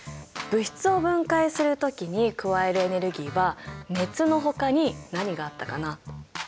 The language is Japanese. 物質を分解する時に加えるエネルギーは熱のほかに何があったかな？